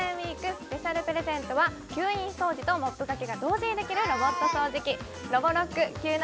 スペシャルプレゼントは吸引掃除とモップがけが同時にできるロボット掃除機ＲｏｂｏｒｏｃｋＱ７